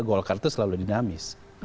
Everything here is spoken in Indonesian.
golkar itu selalu dinamis